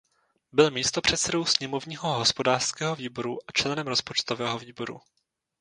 Byl místopředsedou sněmovního hospodářského výboru a členem rozpočtového výboru.